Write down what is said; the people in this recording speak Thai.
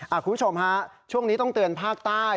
คุณผู้ชมฮะช่วงนี้ต้องเตือนภาคใต้